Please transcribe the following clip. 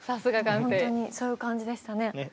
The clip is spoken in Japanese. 本当にそういう感じでしたね。